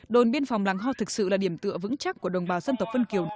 đồn biên phòng lăng ho thực sự là điểm tựa vững chắc của đồng bào dân tộc vân kiều